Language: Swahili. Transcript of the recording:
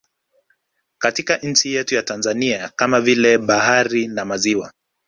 Katika nchi yetu ya Tanzania kama vile bahari na maziwa